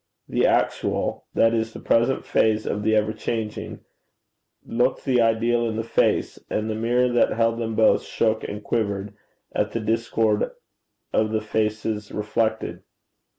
The actual that is the present phase of the ever changing looked the ideal in the face; and the mirror that held them both, shook and quivered at the discord of the faces reflected.